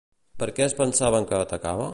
Per què es pensaven que atacava?